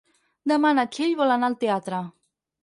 Demà na Txell vol anar al teatre.